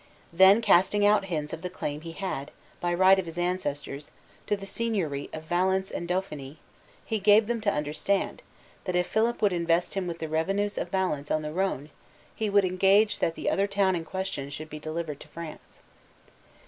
Then casting out hints of the claim he had, by right of his ancestors, to the seigniory of Valence in Dauphiny, he gave them to understand, that if Philip would invest him with the revenues of Valence on the Rhone, he would engage that the other town in question should be delivered to France.